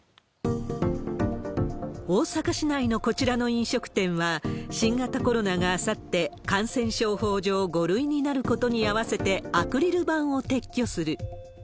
大阪市内のこちらの飲食店は、新型コロナがあさって、感染症法上５類になることに合わせて、アクリル板を撤去する。